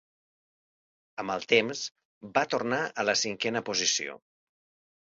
Amb el temps, va tornar a la cinquena posició.